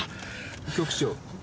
局長。